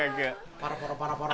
パラポロパラパラ。